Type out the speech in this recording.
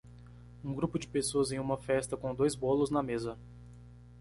Um grupo de pessoas em uma festa com dois bolos na mesa.